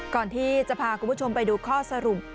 ก่อนที่จะพาคุณผู้ชมไปดูข้อสรุป